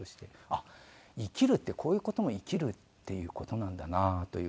あっ生きるってこういう事も生きるっていう事なんだなという風に思って。